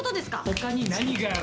「他に何がある？」